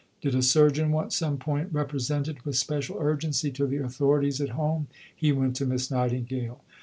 Did a surgeon want some point represented with special urgency to the authorities at home? He went to Miss Nightingale.